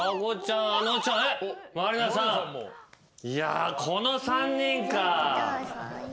いやこの３人か。